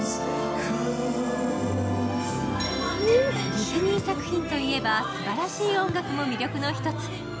ディズニー作品といえばすばらしい音楽も魅力の一つ。